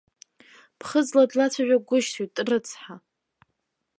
Ԥхыӡла длацәажәагәышьоит рыцҳа!